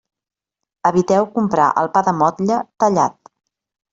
Eviteu comprar el pa de motlle tallat.